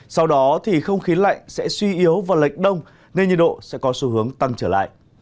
sau đó thì không khí lạnh sẽ suy yếu vào lệch đông nên nhiệt độ sẽ có xu hướng tăng trở lại